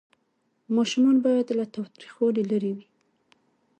ماشومان باید له تاوتریخوالي لرې وي.